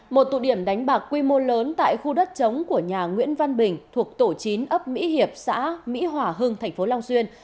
một tụ điểm đánh bạc quy mô lớn tại khu đất chống của nhà nguyễn văn bình thuộc tổ chín ấp mỹ hiệp xã mỹ hòa hưng thành phố long xuyên